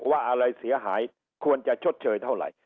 ว่าอะไรเสียหายควรจะชดเชยเท่าไหร่